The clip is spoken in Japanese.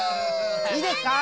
いいですか？